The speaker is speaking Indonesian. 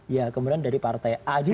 ya kemudian dari partai a juga